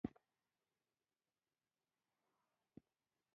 د مرغاب سیند په کوم ولایت کې جریان لري؟